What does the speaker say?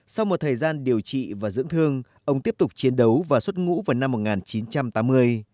sau một thời gian điều trị và dưỡng thương ông tiếp tục chiến đấu và xuất ngũ vào năm một nghìn chín trăm tám mươi